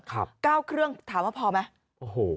๙เครื่องถามว่าพอไหม